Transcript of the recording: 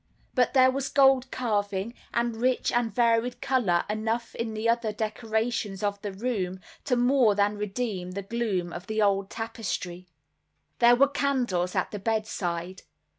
But there was gold carving, and rich and varied color enough in the other decorations of the room, to more than redeem the gloom of the old tapestry. There were candles at the bedside.